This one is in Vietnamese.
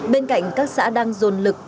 bên cạnh các xã đang dồn lực